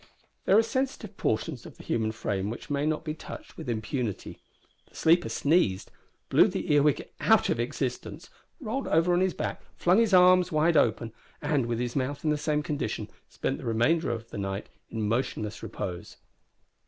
There are sensitive portions of the human frame which may not be touched with impunity. The sleeper sneezed, blew the earwig out of existence, rolled over on his back, flung his arms wide open, and, with his mouth in the same condition, spent the remainder of the night in motionless repose.